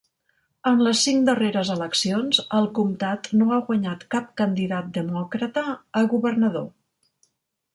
En les cinc darreres eleccions, al comtat no ha guanyat cap candidat demòcrata a governador.